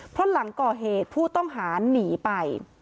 เพราะหลังก่อเหตุผู้ต้องหาหนีไป